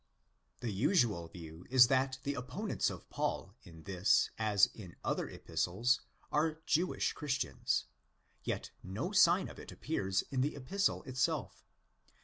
The usual view is that the opponents of Paul in this as in other Epistles are Jewish Christians; yet no sign of it appears in the Epistle itself.